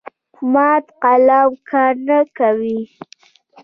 مات قلم کار نه کوي.